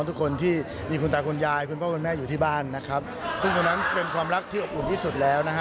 ทุกคนที่มีคุณตาคุณยายคุณพ่อคุณแม่อยู่ที่บ้านนะครับซึ่งตรงนั้นเป็นความรักที่อบอุ่นที่สุดแล้วนะฮะ